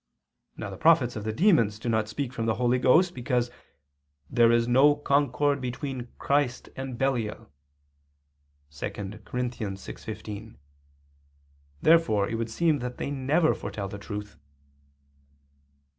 Now the prophets of the demons do not speak from the Holy Ghost, because "there is no concord between Christ and Belial [*'What concord hath Christ with Belial?']" (2 Cor. 6:15). Therefore it would seem that they never foretell the truth.